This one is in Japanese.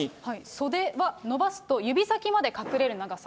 袖は伸ばすと、指先まで隠れる長さ。